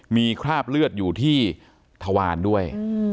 มีคราบเลือดอยู่ที่ทวารด้วย